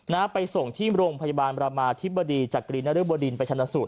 นะไปส่งที่โรงพยาบาลบระมาทิบดีจากการีณริบดินไปชั้นละสุด